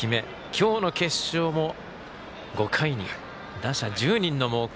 今日の決勝も５回に打者１０人の猛攻。